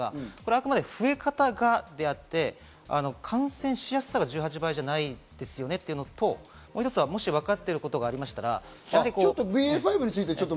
あくまで増え方がであって、感染しやすさが１８倍じゃないですよね？ということと、もう一つ分かっていることが。